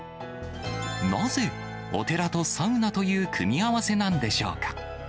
なぜ、お寺とサウナという組み合わせなんでしょうか。